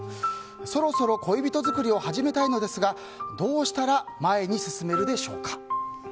そろそろ恋人作りを始めたいのですがどうしたら前に進めるでしょうか。